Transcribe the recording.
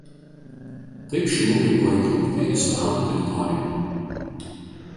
Taip šilukai buvo įtraukti į Sudano teritoriją.